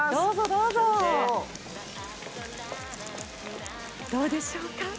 どうでしょうか？